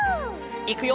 いくよ！